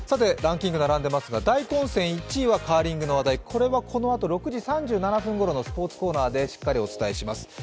ランキング並んでますが、大混戦１位はカーリングの話題、これはこのあと６時３７分ごろのスポーツコーナーでしっかりお伝えします。